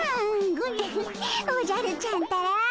ウフッおじゃるちゃんったら。